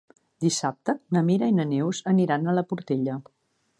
Dissabte na Mira i na Neus aniran a la Portella.